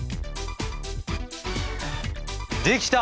できた！